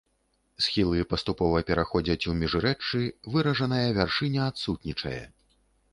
Схілы паступова пераходзяць у міжрэччы, выражаная вяршыня адсутнічае.